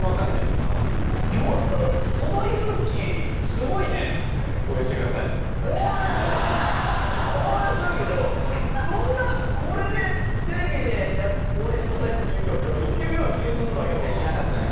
今はよく応援応援するけどそんなこれでテレビで応援してくださいっていう勇気あったらいけるような気するんだけどないやいけなかったんです